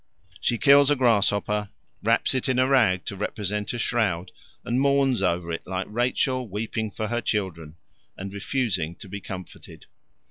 She kills a grasshopper, wraps it in a rag to represent a shroud, and mourns over it like Rachel weeping for her children and refusing to be comforted.